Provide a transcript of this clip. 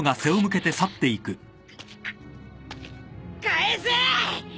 返せ。